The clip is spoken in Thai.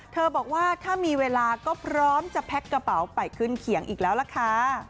บอกว่าถ้ามีเวลาก็พร้อมจะแพ็คกระเป๋าไปขึ้นเขียงอีกแล้วล่ะค่ะ